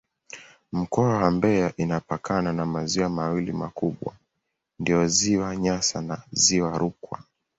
Mkoa wa Mbeya inapakana na maziwa mawili makubwa ndiyo Ziwa Nyasa na Ziwa Rukwa.